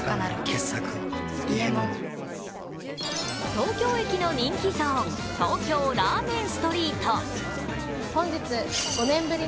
東京駅の人気ゾーン、東京ラーメンストリート。